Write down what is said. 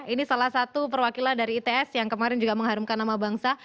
ini salah satu perwakilan dari its yang kemarin juga mengharumkan nama bangsa